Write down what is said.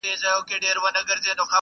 د کمبلي پر يوه سر غم دئ، پر بل ښادي.